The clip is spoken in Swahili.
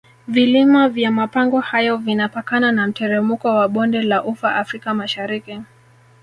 vilima vya mapango hayo vinapakana na mteremko wa bonde la ufa africa mashariki